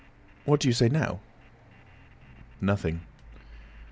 What do you say now?" "Nothing."